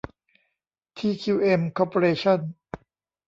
ทีคิวเอ็ม คอร์ปอเรชั่น